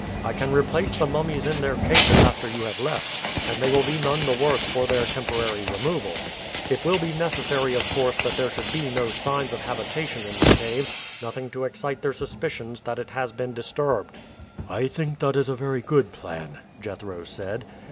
I can replace the mummies in their cases after you have left, and they will be none the worse for their temporary removal. It will be necessary, of course, that there should be no signs of habitation in the cave nothing to excite their suspicions that it has been disturbed." "I think that is a very good plan," Jethro said.